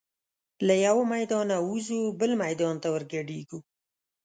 له یوه میدانه وزو بل میدان ته ور ګډیږو